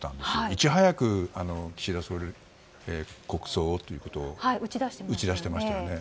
いち早く岸田総理国葬をということを打ち出していましたよね。